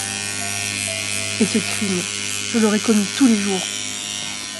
Et ce crime, je l’aurais commis tous les jours !